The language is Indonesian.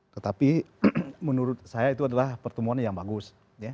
tetapi menurut saya itu adalah pertemuan yang bagus